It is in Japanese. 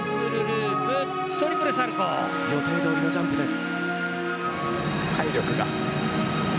予定どおりのジャンプです。